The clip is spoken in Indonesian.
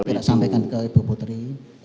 kita tidak disampaikan ke ibu putri